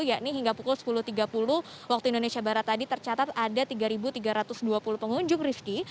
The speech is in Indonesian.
yakni hingga pukul sepuluh tiga puluh waktu indonesia barat tadi tercatat ada tiga tiga ratus dua puluh pengunjung rifki